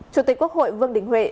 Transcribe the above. chủ tịch quốc hội vương đình huệ